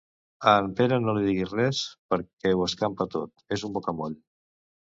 A en Pere no li diguis res, perquè ho escampa tot: és un bocamoll.